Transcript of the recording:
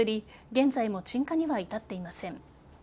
現在も鎮火には至っていません。